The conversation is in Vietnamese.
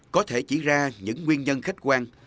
có thể chỉ ra những nguyên nhân khách quan